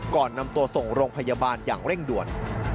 ก่อนนำตัวส่งโรงพยาบาลอย่างเร่งด่วน